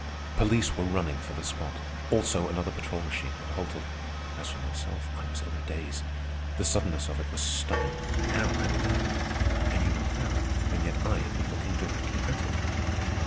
Police were running for the spot. Also, another patrol machine had halted. As for myself, I was in a daze. The suddenness of it was stunning. How had it happened? I knew not how, and yet I had been looking directly at it.